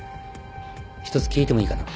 １つ聞いてもいいかな？